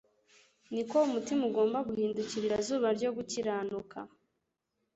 niko umutima ugomba guhindukirira Zuba ryo gukiranuka